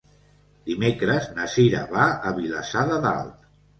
Dimecres na Cira va a Vilassar de Dalt.